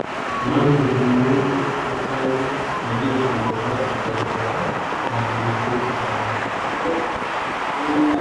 mpamvu z inyungu rusange nabyo bikomeza kugaragara cyane ndetse bikaza